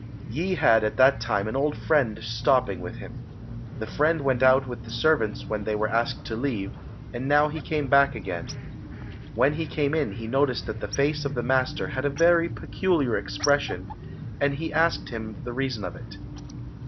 Yi had at that time an old friend stopping with him. The friend went out with the servants when they were asked to leave, and now he came back again. When he came in he noticed that the face of the master had a very peculiar expression, and he asked him the reason of it.